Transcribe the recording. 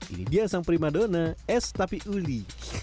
ini dia sang primadona es tapi uli